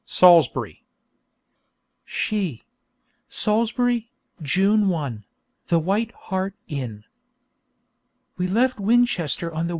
She Salisbury, June 1, The White Hart Inn. We left Winchester on the 1.